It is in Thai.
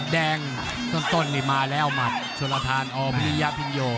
แดงต้นมาแล้วหมัดโชลาธารอพุทธิยาพิงโย